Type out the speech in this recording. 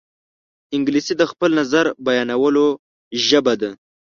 انګلیسي د خپل نظر بیانولو ژبه ده